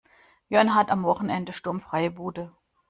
Jörn hat am Wochenende sturmfreie Bude.